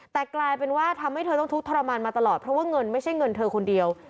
แต่กลายเป็นว่าทำให้เธอต้องทุกข์ทรมานมาตลอดเพราะว่าเงินไม่ใช่เงินเธอคนเดียว